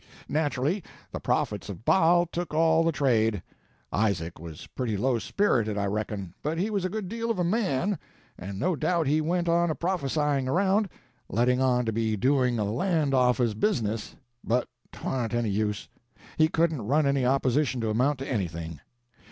Naturally, the prophets of Baal took all the trade. Isaac was pretty low spirited, I reckon, but he was a good deal of a man, and no doubt he went a prophesying around, letting on to be doing a land office business, but 'twa'n't any use; he couldn't run any opposition to amount to anything.